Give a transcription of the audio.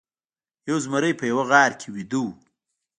یو زمری په یوه غار کې ویده و.